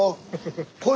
これ！